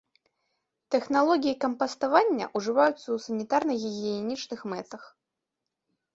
Тэхналогіі кампаставання ўжываюцца ў санітарна-гігіенічных мэтах.